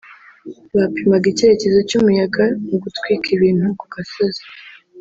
Bapimaga icyerekezo cy’umuyaga mu gutwika ibintu ku gasozi